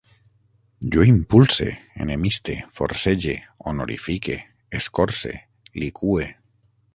Jo impulse, enemiste, forcege, honorifique, escorce, liqüe